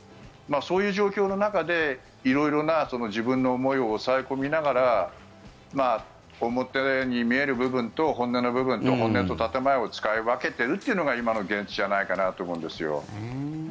そういう状況の中で色々な自分の思いを抑え込みながら表に見える部分と本音の部分と本音と建前を使い分けているのが今の現実じゃないかなと思うんですよ。